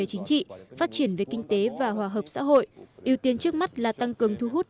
trong bài phát biểu đầu tiên trên truyền hình quốc gia